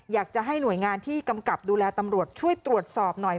อยากจะให้หน่วยงานที่กำกับดูแลตำรวจช่วยตรวจสอบหน่อย